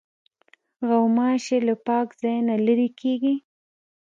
غوماشې له پاک ځای نه لیري کېږي.